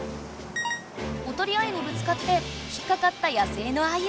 おとりアユにぶつかって引っかかった野生のアユ。